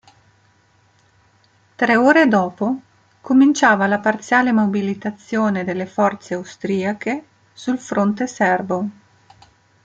Tre ore dopo cominciava la parziale mobilitazione delle forze austriache sul fronte serbo.